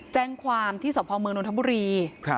แจ้งความที่สพเมืองนทบุรี